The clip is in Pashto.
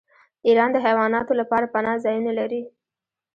ایران د حیواناتو لپاره پناه ځایونه لري.